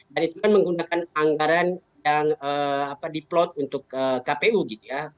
dan itu kan menggunakan anggaran yang diplot untuk kpu gitu ya